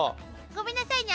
ごめんなさいね。